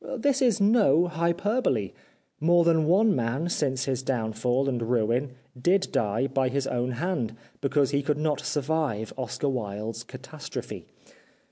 This is no hyperbole. More than one man since his downfall and ruin did die by his own hand, because he could not survive Oscar Wilde's catastrophe.